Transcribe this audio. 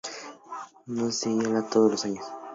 No se hiela todos los años.